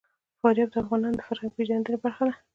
فاریاب د افغانانو د فرهنګي پیژندنې برخه ده.